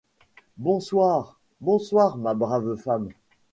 Bonsoir, bonsoir, ma brave femme.